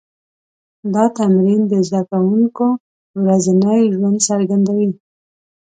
دا تمرین د زده کوونکو ورځنی ژوند څرګندوي.